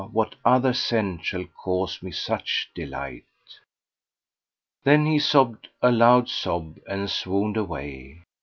what other scent shall cause me such delight?[FN#476]" Then he sobbed a loud sob and swooned away.